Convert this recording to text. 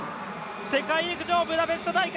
世界陸上ブダペスト大会